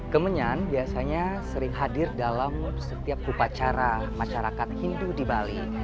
kemenyan biasanya sering hadir dalam setiap upacara masyarakat hindu di bali